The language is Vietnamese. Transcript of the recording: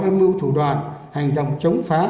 ưu mưu thủ đoàn hành động chống phá